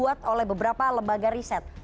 dibuat oleh beberapa lembaga riset